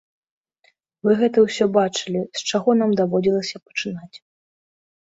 Вы гэта ўсё бачылі, з чаго нам даводзілася пачынаць.